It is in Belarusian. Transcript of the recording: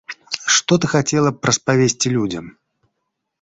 Што ты хацела б распавесці людзям?